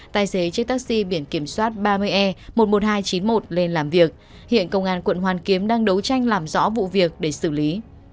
tài xế chiếc taxi biển kiểm soát ba mươi e một mươi một nghìn hai trăm chín mươi một lên làm việc hiện công an quận hoàn kiếm đang đấu tranh làm rõ vụ việc để xử lý